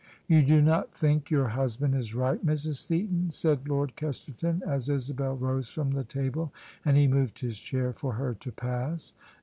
" You do not think your husband is right, Mrs, Seaton? " said Lord Kesterton, as Isabel rose from the table, and he moved his chair for her to pass.